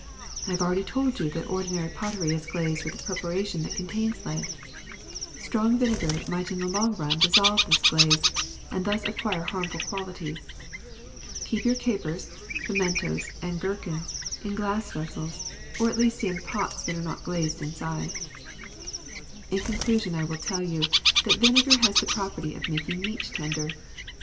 I have already told you that ordinary pottery is glazed with a preparation that contains lead. Strong vinegar might in the long run dissolve this glaze and thus acquire harmful quali ties. Keep your capers, pimentos, and gherkins in glass vessels, or at least in pots that are not glazed inside. *^In conclusion I will tell you that vinegar has the property of making meat tender.